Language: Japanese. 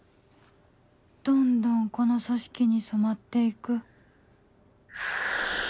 どんどんこの組織に染まって行く